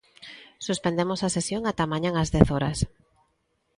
Suspendemos a sesión ata mañá ás dez horas.